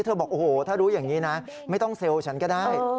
บอกโอ้โหถ้ารู้อย่างนี้นะไม่ต้องเซลล์ฉันก็ได้